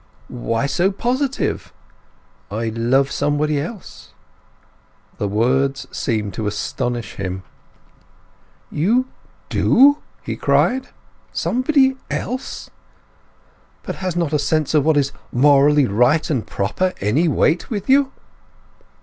"Why so positive?" "I love somebody else." The words seemed to astonish him. "You do?" he cried. "Somebody else? But has not a sense of what is morally right and proper any weight with you?"